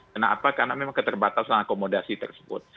kenapa karena memang keterbatasan akomodasi tersebut